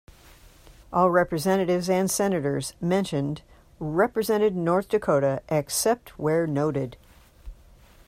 All representatives and senators mentioned represented North Dakota except where noted.